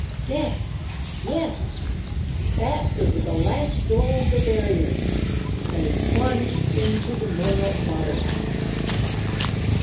"Death ... yes! That is the last door of the barrier...." and he plunged into the moonlit water.